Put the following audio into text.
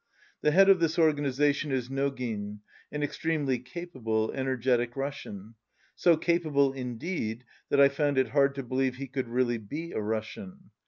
The head of this organization is No gin, an extremely capable, energetic Russian, so capable, indeed, that I found it hard to believe he could really be a Russian.